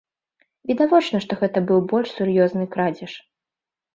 Відавочна, што гэта быў больш сур'ёзны крадзеж.